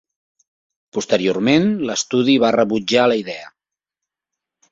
Posteriorment, l'estudi va rebutjar la idea.